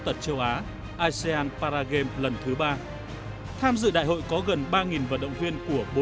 tuy nhiên tại asean một mươi tám những môn olympic được thể thao việt nam đặt kỳ vọng nhiều nhất